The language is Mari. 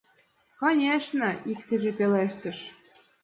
Конешне... — иктыже пелештыш.